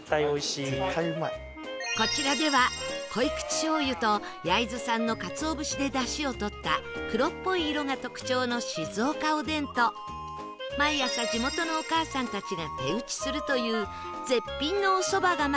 こちらでは濃口醤油と焼津産のカツオ節で出汁をとった黒っぽい色が特徴の静岡おでんと毎朝地元のお母さんたちが手打ちするという絶品のお蕎麦が待っていました